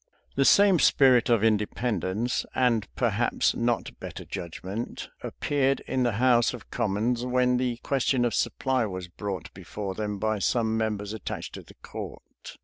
The same spirit of independence, and perhaps not better judgment, appeared in the house of commons when the question of supply was brought before them by some members attached to the court.